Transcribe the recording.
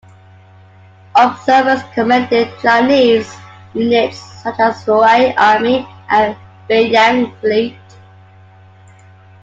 Observers commended Chinese units such as the Huai Army and Beiyang Fleet.